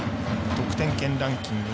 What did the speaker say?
得点圏ランキング